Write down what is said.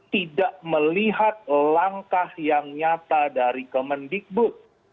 tidak melihat langkah yang nyata dari kemendikbud